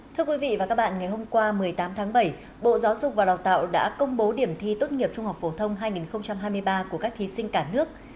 thưa quý vị và các bạn ngày hôm qua một mươi tám tháng bảy bộ giáo dục và đào tạo đã công bố điểm thi tốt nghiệp trung học phổ thông hai nghìn hai mươi ba của các thí sinh cả nước